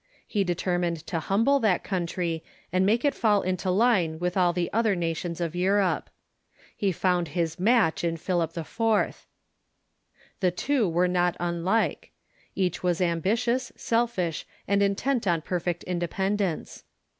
He determined to humble ,.^«... that country, and make it fall into line with all the The Outbreak . Other nations of Europe. He found his match in Philip IV. The two were not unlike. Each Avas ambitious, selfish, and intent on perfect independence.